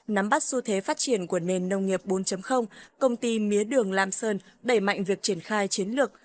nắm bắt xu thế phát triển của nền nông nghiệp bốn công ty mía đường lam sơn đẩy mạnh việc triển khai chiến lược